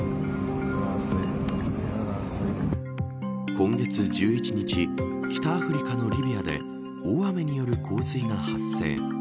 今月１１日北アフリカのリビアで大雨による洪水が発生。